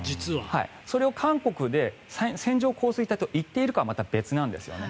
それを韓国で線状降水帯と言っているかはまた別なんですね。